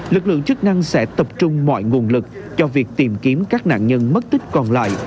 lực lượng chức năng sẽ tập trung mọi nguồn lực cho việc tìm kiếm các nạn nhân mất tích còn lại